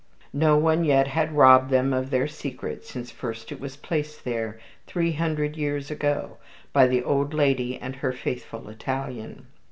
No one yet had robbed them of their secret since first it was placed there three hundred years ago by the old lady and her faithful Italian.